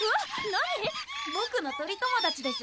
何⁉ボクの鳥友達です